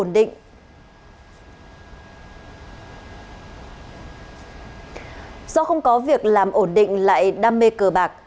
do không có việc làm ổn định lại đam mê cờ bạc